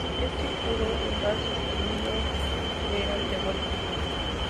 Éste juró vengarse si no se le eran devueltos.